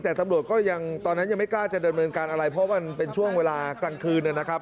แต่ตำรวจก็ยังตอนนั้นยังไม่กล้าจะดำเนินการอะไรเพราะมันเป็นช่วงเวลากลางคืนนะครับ